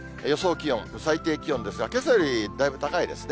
気温、最低気温ですが、けさよりだいぶ高いですね。